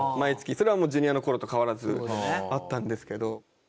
それはもうＪｒ．の頃と変わらずあったんですけど。